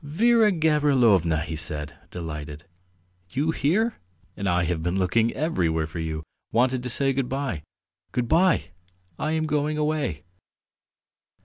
"Vera Gavrilovna!" he said, delighted. "You here? And I have been looking everywhere for you; wanted to say good bye. ... Good bye; I am going away!"